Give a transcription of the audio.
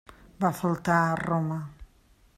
Va faltar a Roma.